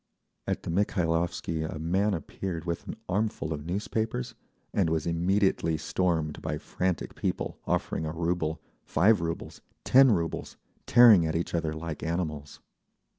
At the Mikhailovsky a man appeared with an armful of newspapers, and was immediately stormed by frantic people, offering a rouble, five roubles, ten roubles, tearing at each other like animals.